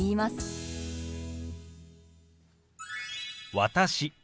「私」